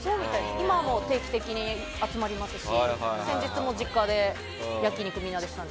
今も定期的に集まりますし先日も実家で焼き肉をみんなでしたので。